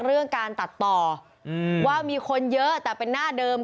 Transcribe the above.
เรื่องการตัดต่อว่ามีคนเยอะแต่เป็นหน้าเดิม